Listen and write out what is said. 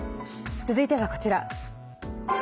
続いてはこちら。